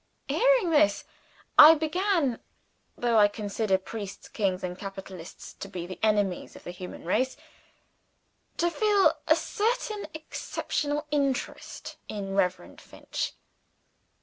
Hearing this, I began though I consider priests, kings, and capitalists to be the enemies of the human race to feel a certain exceptional interest in Reverend Finch.